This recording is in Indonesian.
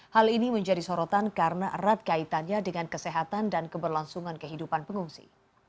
hal ini menjadi sorotan karena erat kaitannya dengan kesehatan dan keberlangsungan kehidupan pengungsi